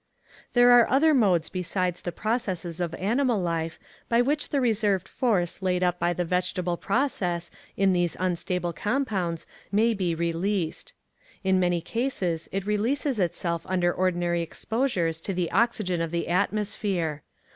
There are other modes besides the processes of animal life by which the reserved force laid up by the vegetable process in these unstable compounds may be released. In many cases it releases itself under ordinary exposures to the oxygen of the atmosphere.